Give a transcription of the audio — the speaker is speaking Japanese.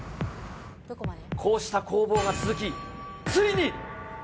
こうした攻防が続き、ついに。